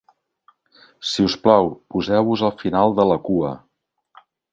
Si us plau, poseu-vos al final de la cua.